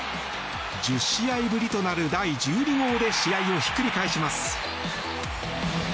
１０試合ぶりとなる第１２号で試合をひっくり返します。